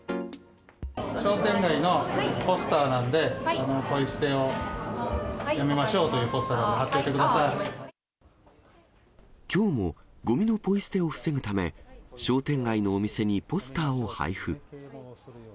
商店街のポスターなんで、ポイ捨てをやめましょうというポスターなんで、きょうも、ごみのポイ捨てを防ぐため、商店街のお店にポスターを配布。